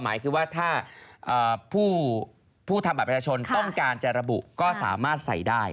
หมายคือว่าถ้าผู้ทำบัตรประชาชนต้องการจะระบุก็สามารถใส่ได้